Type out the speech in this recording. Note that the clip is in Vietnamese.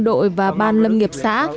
đội và ban lâm nghiệp xã